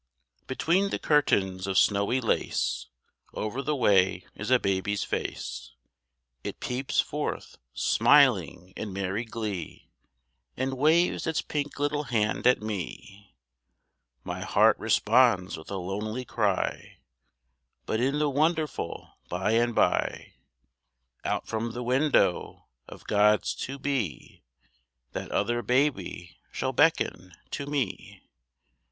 Between the curtains of snowy lace, Over the way is a baby's face; It peeps forth, smiling in merry glee, And waves its pink little hand at me. My heart responds with a lonely cry But in the wonderful By and By Out from the window of God's "To Be," That other baby shall beckon to me.